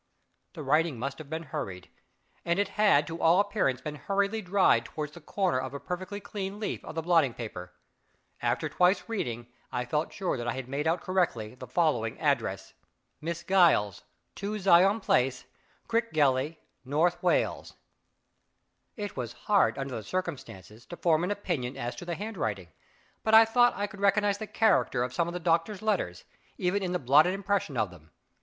The writing must have been hurried, and it had to all appearance been hurriedly dried toward the corner of a perfectly clean leaf of the blotting paper. After twice reading, I felt sure that I had made out correctly the following address: Miss Giles, 2 Zion Place, Crickgelly, N. Wales. It was hard under the circumstances, to form an opinion as to the handwriting; but I thought I could recognize the character of some of the doctor's letters, even in the blotted impression of them.